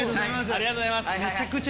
ありがとうございます。